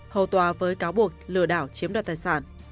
hầu tòa với cáo buộc lừa đảo chiếm đoạt tài sản